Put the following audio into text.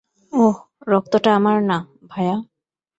ওহ, রক্তটা আমার না, ভায়া।